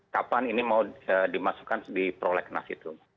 kapan ini mau dimasukkan di prolegnas itu